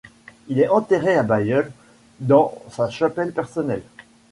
Il est enterré à Bailleul, dans sa chapelle personnelle.